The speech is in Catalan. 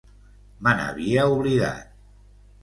Me n'havia oblidat.